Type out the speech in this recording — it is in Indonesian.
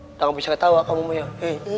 tidak bisa ketawa kamu mau lihat